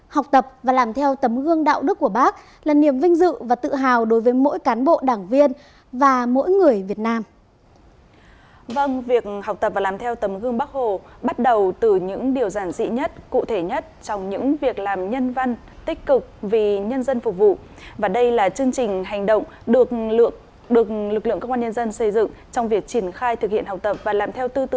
học tập và làm theo tấm gương đạo đức của bác là niềm vinh dự và tự hào đối với mỗi cán bộ đảng viên và mỗi người việt nam